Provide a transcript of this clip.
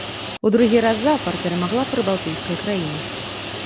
У другі раз запар перамагла прыбалтыйская краіна.